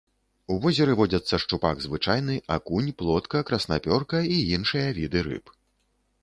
У возеры водзяцца шчупак звычайны, акунь, плотка, краснапёрка і іншыя віды рыб.